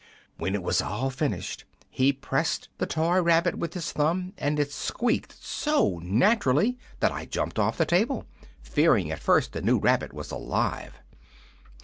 When it was all finished he pressed the toy rabbit with his thumb, and it squeaked so naturally that I jumped off the table, fearing at first the new rabbit was alive.